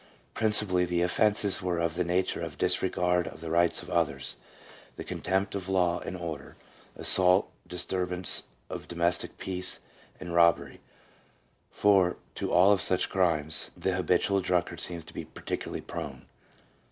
Principally the offences were of the nature of disregard of the rights of others, the contempt of law and order, assault, disturbance of domestic peace, and robbery; for to all such crimes the habitual drunkard seems to be particularly prone.